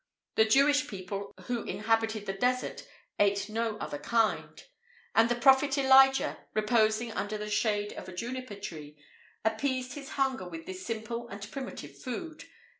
The Jewish people who inhabited the Desert ate no other kind;[IV 3] and the Prophet Elijah, reposing under the shade of a juniper tree, appeased his hunger with this simple and primitive food.